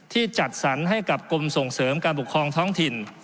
จัดสรรให้กับกรมส่งเสริมการปกครองท้องถิ่น